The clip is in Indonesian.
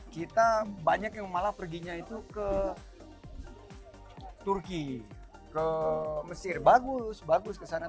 kita banyak yang malah perginya itu ke turki ke mesir bagus bagus ke sana